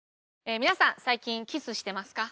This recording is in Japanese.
皆さん最近キスしてますか？